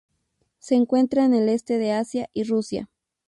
Se encuentra en el este de Asia y Rusia.